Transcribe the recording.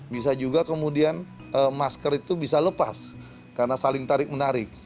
bisa juga kemudian masker itu bisa lepas karena saling tarik menarik